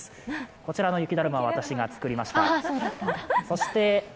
こちらの雪だるまは私が作りました。